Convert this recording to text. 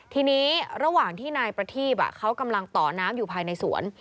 ทีนี้ระหว่างที่นายประทีบเขากำลังต่อน้ำอยู่ภายในสวน